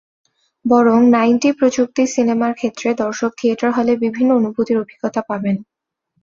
বরং নাইনডি প্রযুক্তির সিনেমার ক্ষেত্রে দর্শক থিয়েটার হলে বিভিন্ন অনুভূতির অভিজ্ঞতা পাবেন।